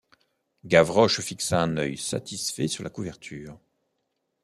Gavroche fixa un œil satisfait sur la couverture.